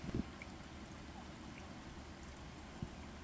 Omera ifwenyo oda.